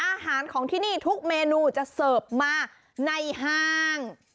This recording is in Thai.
อาหารของที่นี่ทุกเมนูจะเสิร์ฟมาในห้าง